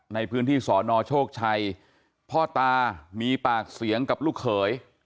ในพื้นที่สอนอโชคชัยพ่อตามีปากเสียงกับลูกเขย